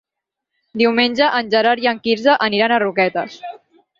Diumenge en Gerard i en Quirze aniran a Roquetes.